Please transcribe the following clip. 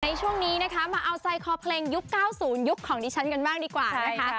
ในช่วงนี้นะคะมาเอาใจคอเพลงยุค๙๐ยุคของดิฉันกันบ้างดีกว่านะคะ